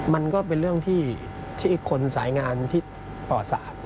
มันก็เป็นเรื่องที่คนสายงานที่ป่อสะอาด